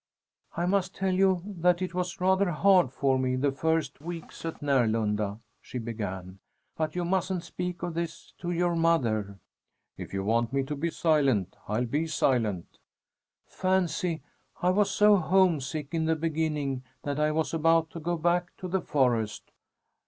"I must tell you that it was rather hard for me the first weeks at Närlunda," she began. "But you mustn't speak of this to your mother." "If you want me to be silent, I'll be silent." "Fancy! I was so homesick in the beginning that I was about to go back to the forest."